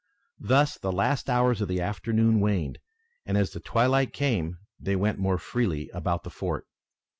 Thus the last hours of the afternoon waned, and as the twilight came, they went more freely about the fort.